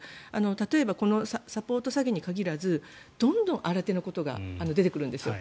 例えばこのサポート詐欺にかかわらずどんどん新手のことが出てくるんですよ。